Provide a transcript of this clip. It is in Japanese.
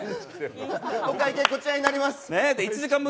お会計こちらになります。